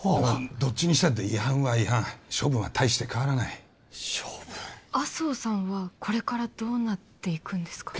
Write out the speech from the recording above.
どっちにしたって違反は違反処分は大して変わらない処分麻生さんはこれからどうなっていくんですか？